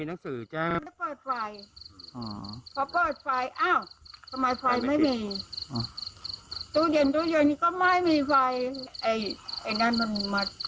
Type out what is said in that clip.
ไอ้นั่นมันมาบอกว่าโดนนั่นไอ้ตอนนี้มันลำบากอย่างนี้